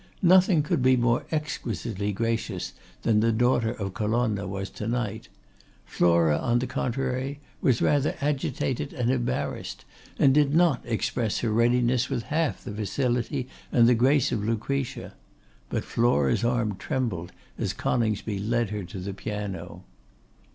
Nothing could be more exquisitely gracious than the daughter of Colonna was to night; Flora, on the contrary, was rather agitated and embarrassed; and did not express her readiness with half the facility and the grace of Lucretia; but Flora's arm trembled as Coningsby led her to the piano.